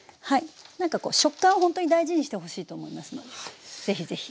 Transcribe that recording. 何かこう食感をほんとに大事にしてほしいと思いますのでぜひぜひ。